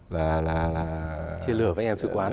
chia lửa với anh em sứ quán